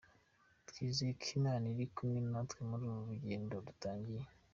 Twizeye ko Imana iri kumwe na twe muri uru rugendo dutangiye.